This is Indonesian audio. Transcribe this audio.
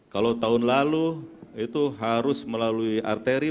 kalau tahun lalu itu harus melalui arteri